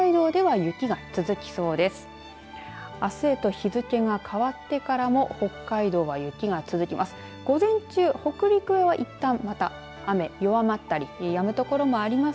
あすへと日付が変わってからも北海道は雪が続きます。